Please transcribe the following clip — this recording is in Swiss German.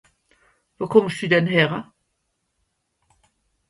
Wo kùmmsch denn dü häre?